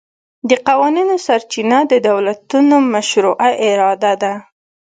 د قوانینو سرچینه د دولتونو مشروعه اراده ده